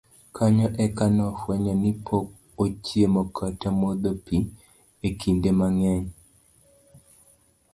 kanyo eka nofwenyo ni pok ochiemo kata modho pi e kinde mang'eny